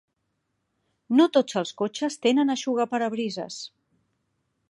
No tots els cotxes tenen eixugaparabrises.